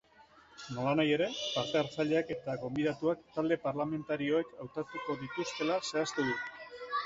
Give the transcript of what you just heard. Nolanahi ere, parte-hartzaileak eta gonbidatuak talde parlamentarioek hautatuko dituztela zehaztu du.